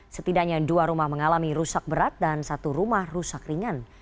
setidaknya dua rumah mengalami rusak berat dan satu rumah rusak ringan